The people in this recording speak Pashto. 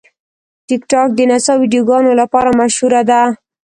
ټیکټاک د نڅا ویډیوګانو لپاره مشهوره ده.